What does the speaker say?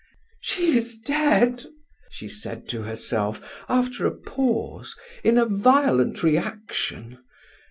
"She is dead!" she said to herself, after a pause, in a violent reaction.